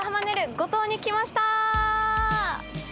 五島に来ました！